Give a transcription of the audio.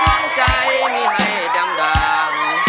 มั่นใจมีให้ดำราง